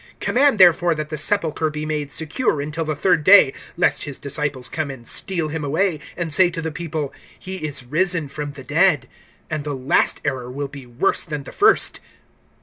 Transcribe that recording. (64)Command, therefore, that the sepulchre be made secure until the third day lest his disciples come and steal him away, and say to the people: He is risen from the dead; and the last error will be worse than the first.